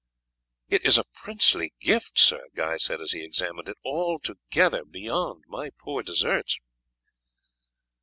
"It is a princely gift, sir," Guy said as he examined it, "and altogether beyond my poor deserts."